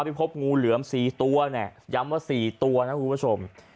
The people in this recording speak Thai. ความพิภพงูเหลือม๔ตัวย้ำว่า๔ตัวนะครับคุณผู้ชม